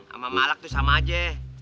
sama malak tuh sama aja